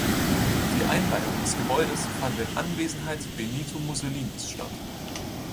Die Einweihung des Gebäudes fand in Anwesenheit Benito Mussolinis statt.